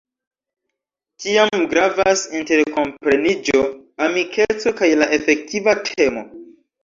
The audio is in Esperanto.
Tiam gravas interkompreniĝo, amikeco kaj la efektiva temo.